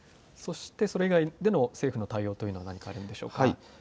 そしてそれ以外で政府の対応というのは何かあるんでしょうか。